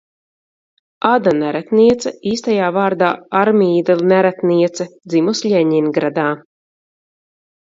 Ada Neretniece, īstajā vārdā Armīda Neretniece, dzimusi Ļeņingradā.